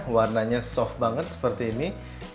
warnanya soft banget seperti ini